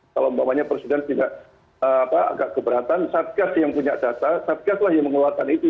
kalau umpamanya presiden juga agak keberatan satgas yang punya data satgas lah yang mengeluarkan itu